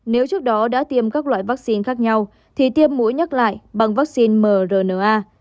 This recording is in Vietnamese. nếu trước đó đã tiêm các loại vắc xin khác nhau thì tiêm mũi nhắc lại bằng vắc xin mrna